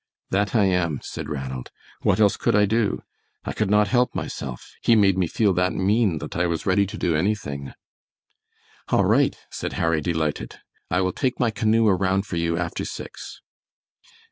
"That I am," said Ranald. "What else could I do? I could not help myself; he made me feel that mean that I was ready to do anything." "All right," said Harry, delighted, "I will take my canoe around for you after six."